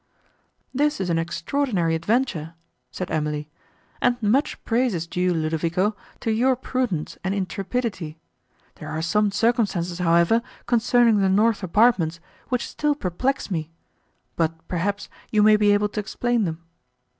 "This is an extraordinary adventure," said Emily, "and much praise is due, Ludovico, to your prudence and intrepidity. There are some circumstances, however, concerning the north apartments, which still perplex me; but, perhaps, you may be able to explain them.